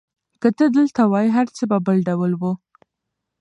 که ته دلته وای، هر څه به بل ډول وو.